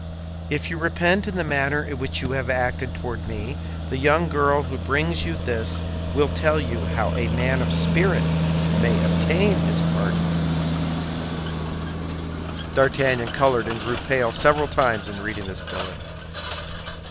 If you repent of the manner in which you have acted toward me, the young girl who brings you this will tell you how a man of spirit may obtain his pardon. D'Artagnan colored and grew pale several times in reading this billet.